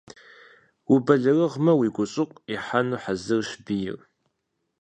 Убэлэрыгъамэ, уи гущӀыӀу ихьэну хьэзырщ бийр.